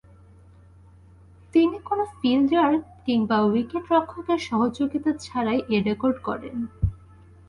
তিনি কোন ফিল্ডার কিংবা উইকেট-রক্ষকের সহযোগিতা ছাড়াই এ রেকর্ড গড়েন।